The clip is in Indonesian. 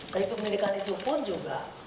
tapi pemindikan itu pun juga